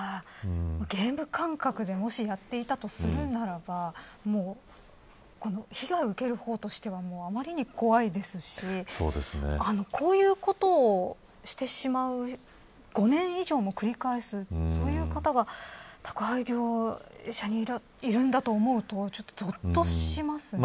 ゲーム感覚でもし、やっていたとするなら被害を受ける方はあまりに怖いですしこういうことをしてしまう５年以上も繰り返すそういう方が宅配業者にいるんだと思うとぞっとしますね。